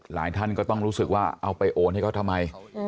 ท่านก็ต้องรู้สึกว่าเอาไปโอนให้เขาทำไม